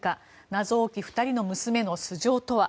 謎多き２人の娘の素性とは？